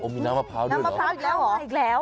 มีน้ำมะพร้าวด้วยเหรอ